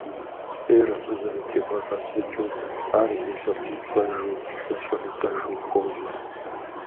Фӏейр абы зэрытебгъэкъэбзыкӏыу, ар зэщӏэпщӏыпщӏэжу, зэщӏэлыдэжу хуожьэ.